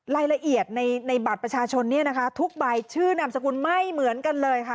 รายละเอียดในบัตรประชาชนเนี่ยนะคะทุกใบชื่อนามสกุลไม่เหมือนกันเลยค่ะ